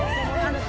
saya bukan benci